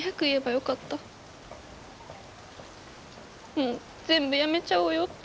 もう全部やめちゃおうよって。